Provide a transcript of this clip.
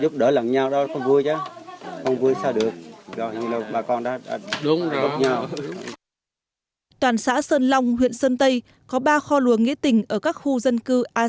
toàn xã sơn long huyện sơn tây có ba kho luồng nghĩa tình ở các khu dân cư a sáu